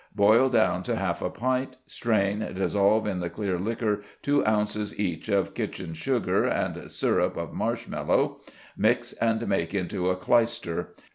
Boil down to half a pint; strain; dissolve in the clear liquor two ounces each of kitchen sugar and syrup of marsh mallow; mix and make into a clyster.